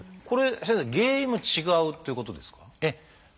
これ先生原因も違うということですか？